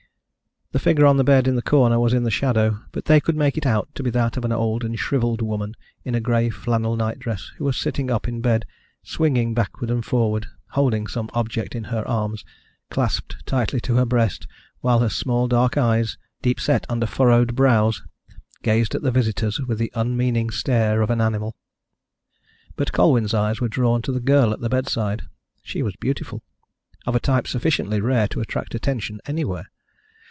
The figure on the bed in the corner was in the shadow, but they could make it out to be that of an old and shrivelled woman in a grey flannel nightdress, who was sitting up in bed, swinging backward and forward, holding some object in her arms, clasped tightly to her breast, while her small dark eyes, deepset under furrowed brows, gazed at the visitors with the unmeaning stare of an animal. But Colwyn's eyes were drawn to the girl at the bedside. She was beautiful, of a type sufficiently rare to attract attention anywhere.